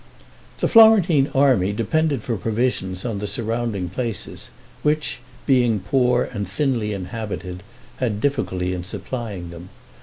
The Florentine army depended for provisions on the surrounding places, which, being poor and thinly inhabited, had difficulty in supplying them.